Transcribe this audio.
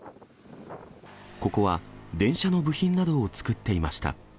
ここは電車の部品などを作っていました。